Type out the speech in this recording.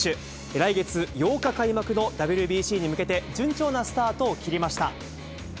来月８日開幕のＷＢＣに向けて、順調なスタートを切りました。